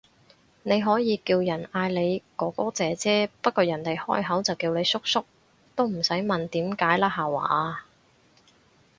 你可以叫人嗌你哥哥姐姐，不過人哋開口就叫你叔叔，都唔使問點解啦下話